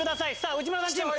内村さんチーム！